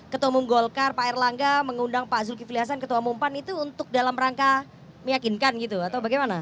ketua umum golkar pak erlangga mengundang pak zulkifli hasan ketua umum pan itu untuk dalam rangka meyakinkan gitu atau bagaimana